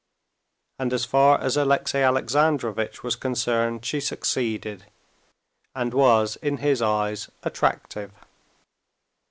And as far as Alexey Alexandrovitch was concerned she succeeded, and was in his eyes attractive.